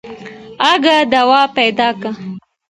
اگه دوا پيدا که.